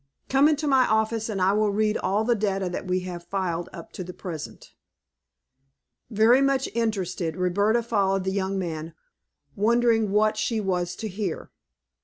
Come into my office and I will read all the data that we have filed up to the present." Very much interested, Roberta followed the young man, wondering what she was to hear.